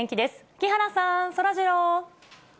木原さん、そらジロー。